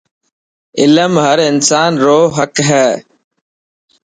علم هر انسان رو حق هي.